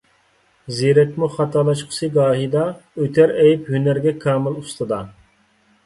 زېرەكمۇ خاتالاشقۇسى گاھىدا، ئۆتەر ئەيىب ھۈنەرگە كامىل ئۇستىدا.